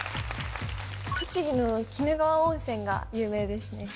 栃木の鬼怒川温泉が有名ですね